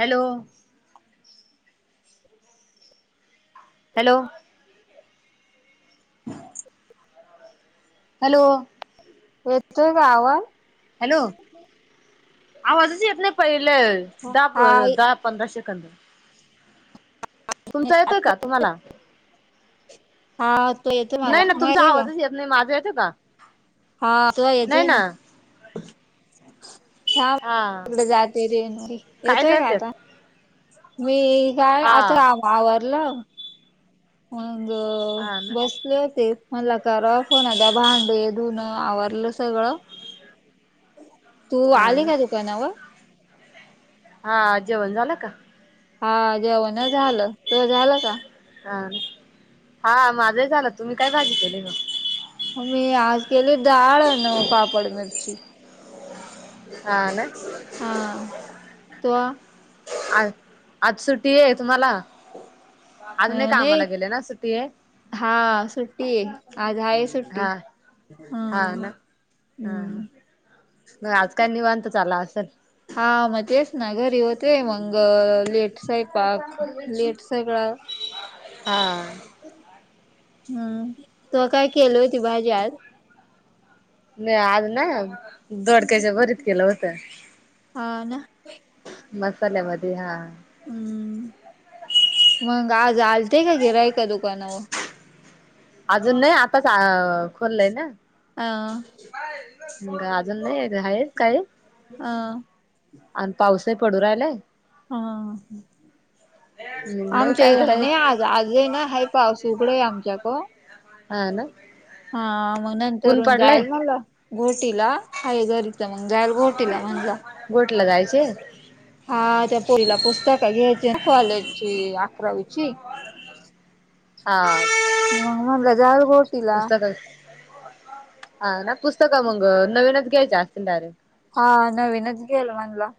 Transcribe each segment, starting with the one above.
Hello. Hello. ह hello. येतोय कावा. हॅलो आवाजची नाही पहिले दब हा द पंधरा शेकंदड. तुमच येतोय का तुम्हाला? हा तो येतो मला नाही ना मा तुमचा आहे ग. आवाजच येत माझा येतं का? हा त येतोय ना. हा तकडे जाते रेन काय येतोय का करतेस आता. मी काय हा आता आवरलं म्ह हा ना बसले होते मला का फोन भांडे, दुन आवारलं सगळं. तू हा आली ना का दुकानावर? हा जेवण झालं का? हा जेवण झालं, तूज झालं का? हा हा माझं ही झालं तुम्ही काय भाजी केली ना? मी आज केली डाळ न पापड मिरची. हा ना हा आ आज सुट्टी आहे तुम्हाला, आज नाही कामाला गेले ना सुटी आहे? हा सुट्टी आज आहेस हाय सुट्टी. हा हा ना हा हा मग आज काल निवांत चालला असल? हा म तेच ना घरी होते मंग लेट स्वयंपाक पाक लेट सगळां हां हम्म तु काय केलं होती भाजी आज? आज ना दोडक्याच भरीत केलं होत. हा. मसाल्या मध्ये हा. हम्म मग आज आलते का गिराईक दुकानावर? अजून नाही आताच आ खोललंय न. हा मग अजून नाही आहेत काही. अ अन पाऊसही पडू राहिलाय. हा ह नाही आमच्या काही इकडं आहे नही आज आज आहे ना हा पाऊस उघड आमच्या कड हा ना हा मग नंतर ऊन जायला मला घोटीला आहे घरी तर मंग जाईल घोट तिला म्हणल. गोठला जायचे हा त्या पोरीला पुस्तक घ्यायचे न कॉलेज चे अकरावीची. हा मग म्हणलं जाल गोटीला पुस्तक हा ना पुस्तक मग नवीनच घ्यायची असत्याल? हा नवीनच घेईल म्हणलं.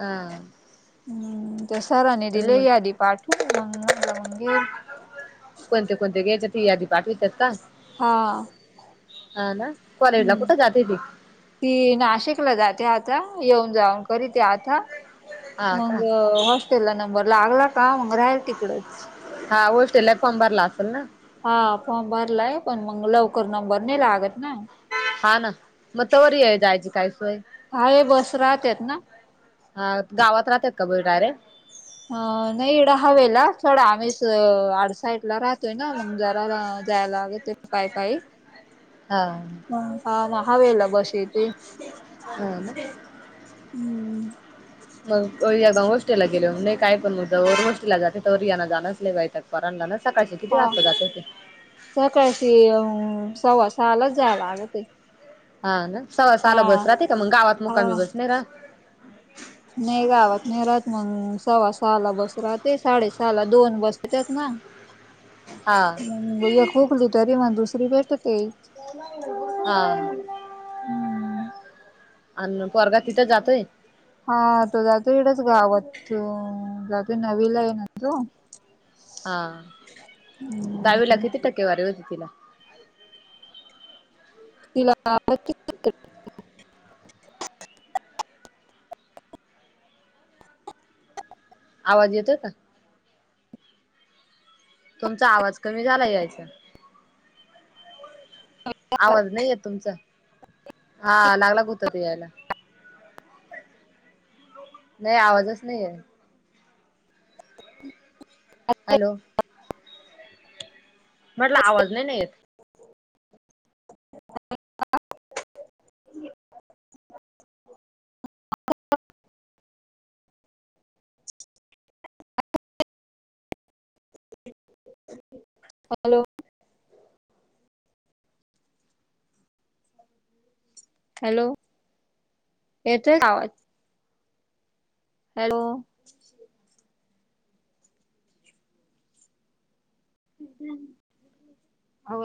हा ते सरांनी दिले यादी पाठवून मग येईल. कोणते कोणते घ्यायचे ती यादी पाठवितात का? हा हा ना कॉलेजला हम्म कुठ जाते ती? ती नाशिकला जाते आता येऊन जाऊन करीते आता. हा मग का हॉस्टेल ला नंबर लागला का मग राहील तिकडच. हा हॉस्टेलला फॉर्म भरला असेल ना? हा फॉर्म भरलाय पण मग लवकर नंबर नी लागत ना. हा ना मग तोवर ये जायची काय सोय? आहे बस राहतात ना. हा गावात राहतात का बस डायरेक्ट? अ नाही एडं हवेला थोडा आम्हीच आडसाईडला राहतोय ना मग जरा जायला लागल ते पाई पाई हा हा हवेला बस येती हा ना हम्म मग अवि आता हॉटेल ला गेल वर नही काय पण मग जो वर हॉटेल ला जात नही तो वर येन जणच लय राहत पोरांना न सकाळचे किती हा वाजता जाता ते? सकाळशी सव्वा सात सहालाच जाय लागते ते हा ना सव्वा हा सहाला बस राहते का मग गावात मुक्कामी हा. बस नाही राहत नाही गावात नाही राहत मग सव्वा सहा ला बस राहते साडेसहा ला दोन बस येतात न. हा मंग एक हुकली तरी मग दुसरी भेटते. आ अन पोरगा तिथं जातोय. हा तो जातो इकडचं गावात जातो नवीला आहे ना तो. हा दहावी ला किती टक्के वारीे होती तिला? तिला का [unintelligible] [unintelligible] आवाज येतो का? तुमचा आवाज कमी झालाय यायचा. आवाज नाही येत तुमचा. हा लागला ग होता यायला नाही आवाजच नाही येत. हॅलो म्हटलं आवाज नाहीन येत. ह [inaudible] हॅलो हॅलो य तर आवाज. हॅलो आवाज